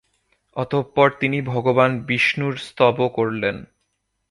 অতঃপর তিনি ভগবান বিষ্ণুর স্তব করলেন।